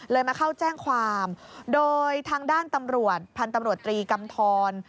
มาเข้าแจ้งความโดยทางด้านตำรวจพันธุ์ตำรวจตรีกำทร